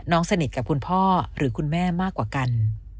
สนิทกับคุณพ่อหรือคุณแม่มากกว่ากัน